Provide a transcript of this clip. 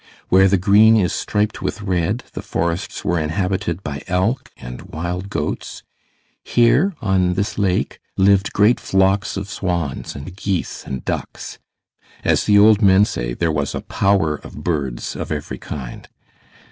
Where the green is striped with red the forests were inhabited by elk and wild goats. Here on this lake, lived great flocks of swans and geese and ducks; as the old men say, there was a power of birds of every kind.